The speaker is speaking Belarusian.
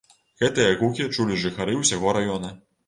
Гэтыя гукі чулі жыхары ўсяго раёна.